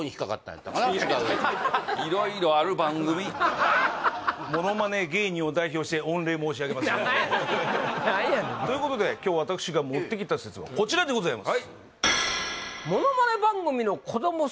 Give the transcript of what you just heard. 色々ある番組ハッハーッハッハモノマネ芸人を代表して御礼申し上げます何やねんということで今日私が持ってきた説はこちらでございます